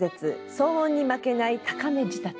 騒音に負けない高め仕立て」。